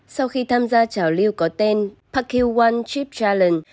sau khi tham gia trào lưu có tên park hill one chip challenge